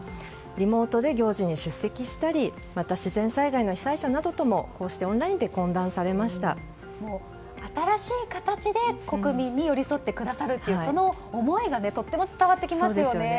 リモートで行事に出席したりまた、自然災害の被災者などともオンラインで新しい形で国民に寄り添ってくださるというその思いがとても伝わってきますよね。